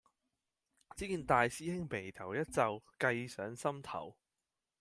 只見大師兄眉頭一皺，計上心頭